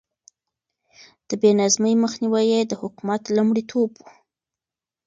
د بې نظمي مخنيوی يې د حکومت لومړيتوب و.